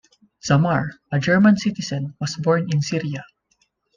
Zammar, a German citizen, was born in Syria.